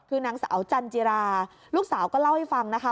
คือนางสาวจันจิราลูกสาวก็เล่าให้ฟังนะคะ